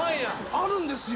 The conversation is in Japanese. あるんですよ。